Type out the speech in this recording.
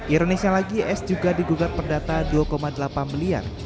ironisnya lagi s juga digugat perdata rp dua delapan miliar